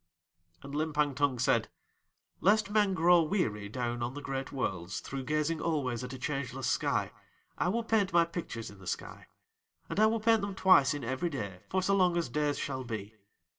And Limpang Tung said: "Lest men grow weary down on the great Worlds through gazing always at a changeless sky, I will paint my pictures in the sky. And I will paint them twice in every day for so long as days shall be.